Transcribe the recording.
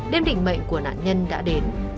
đêm đỉnh mệnh của nạn nhân đã đến